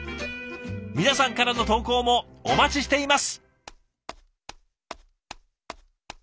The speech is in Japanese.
皆さんからの投稿もお待ちしています！